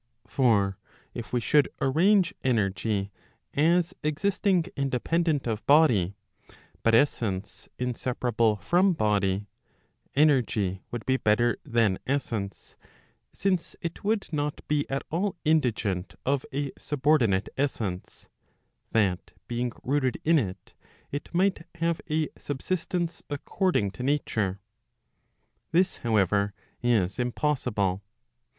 For if we should arrange energy as existing independent of body, but essence inseparable from body, energy would be better than essence, since it would not be at all indigent of a subordinate essence, that being rooted in it, it might have a subsistence according to nature. This however is impossible.